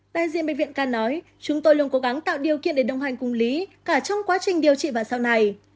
đại diện bệnh viện ca nói chúng tôi luôn cố gắng tạo điều kiện để đồng hành cùng lý cả trong quá trình điều trị và sau này